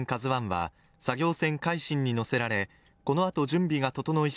「ＫＡＺＵⅠ」は作業船「海進」に乗せられこのあと準備が整い